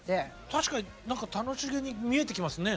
確かに何か楽しげに見えてきますね。